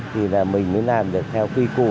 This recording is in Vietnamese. thì mình mới làm được theo quy cụ